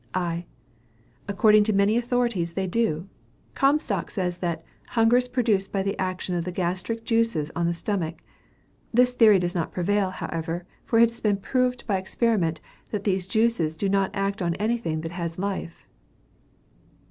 I. According to many authorities, they do. Comstock says that "hunger is produced by the action of the gastric juices on the stomach." This theory does not prevail, however; for it has been proved by experiment, that these juices do not act on anything that has life.